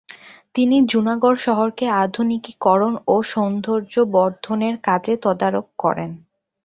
তিনি জুনাগড় শহরকে আধুনিকীকরণ ও সৌন্দর্য্যবর্ধনের কাজে তদারক করেন।